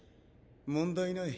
問題ない。